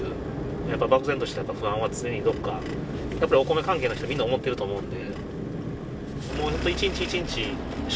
やっぱり漠然とした不安は常にどこかやっぱりお米関係の人みんな思ってると思うので。